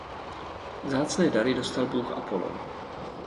Vzácné dary dostal bůh Apollón.